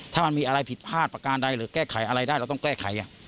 ถ้ามันมีอะไรผิดพลาดประการใดหรือแก้ไขอะไรได้เราต้องแก้ไข